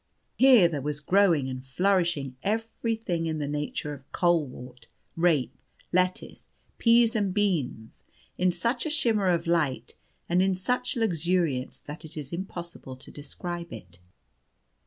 Here there was growing and flourishing every thing in the nature of colewort, rape, lettuce, pease and beans, in such a shimmer of light, and in such luxuriance that it is impossible to describe it.